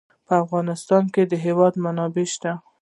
په افغانستان کې د هوا منابع شته.